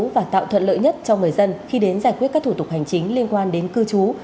và tạo thuận lợi nhất cho người dân khi đến giải quyết các thủ tục hành chính liên quan đến cư trú